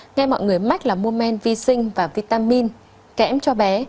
nghe mọi người mách là mua men vi sinh và vitamin kém cho bé